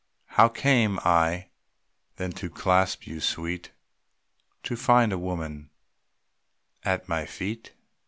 How came I, then, to clasp you, Sweet, And find a woman at my feet?